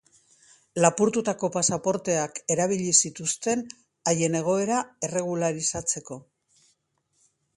Lapurtutako pasaporteak erabili zituzten haien egoera erregularizatzeko.